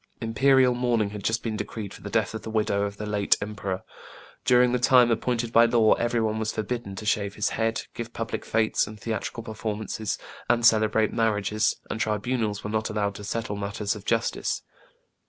Imperial mourning had just been decreed for the death of the widow of the late emperor. During the time appointed by law, every one was forbidden to shave his head, give public fêtes and theatrical performances, and celebrate marriages, and tribu nals were not allowed to settle matters of justice.